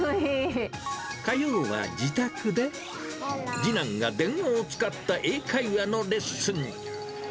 火曜は自宅で、次男が電話を使った英会話のレッスン。